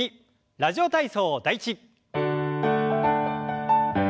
「ラジオ体操第１」。